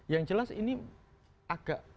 yang jelas ini agak